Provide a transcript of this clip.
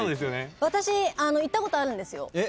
私行ったことあるんですよ。